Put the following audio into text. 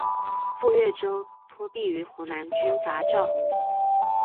赴岳州托庇于湖南军阀赵恒惕。